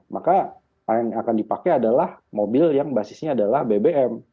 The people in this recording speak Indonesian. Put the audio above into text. maka yang akan dipakai adalah mobil yang basisnya adalah bbm